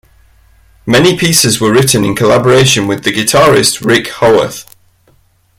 Many pieces were written in collaboration with the guitarist Rick Haworth.